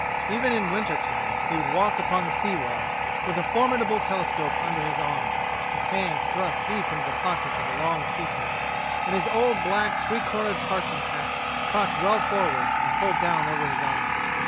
Even in winter time he would walk upon the sea wall with a formidable telescope under his arm, his hands thrust deep into the pockets of a long sea coat, and his old black three cornered parson's hat cocked well forward and pulled down over his eyes.